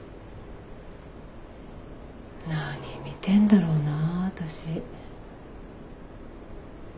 何見てんだろうなぁ私。